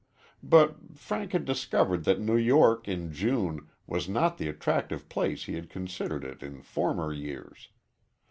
But Frank had discovered that New York in June was not the attractive place he had considered it in former years.